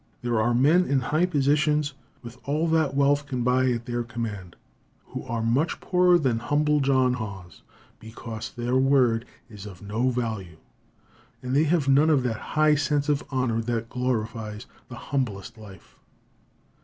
There are men in high positions, with all that wealth can buy at their command, who are much poorer than humble John Haws, because their word is of no value, and they have none of that high sense of honor that glorifies the humblest life.